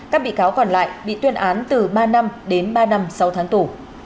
các bị cáo còn lại bị tuyên án từ ba năm đến ba năm sau tháng tù